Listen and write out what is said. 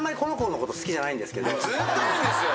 ずーっと言うんですよ！